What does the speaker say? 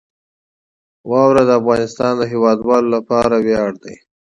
واوره د افغانستان د هیوادوالو لپاره ویاړ دی.